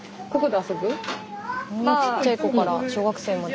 スタジオちっちゃい子から小学生まで。